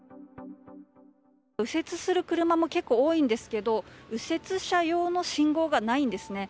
右折する車も結構多いんですけど右折車用の信号がないんですね。